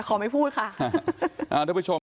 แต่ขอไม่พูดค่ะอ่าด้วยผู้ชม